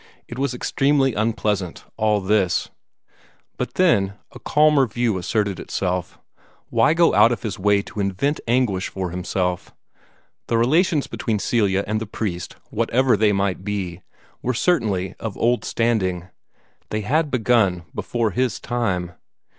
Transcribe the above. It was extremely unpleasant, all this. But then a calmer view asserted itself. Why go out of his way to invent anguish for himself? The relations between Celia and the priest, whatever they might be, were certainly of old standing. They had begun before his time.